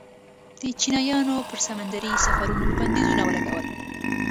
د چینایانو پر سمندري سفرونو بندیزونه ولګول.